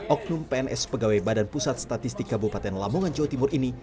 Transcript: oknum pns pegawai badan pusat statistik kabupaten lamongan jawa timur ini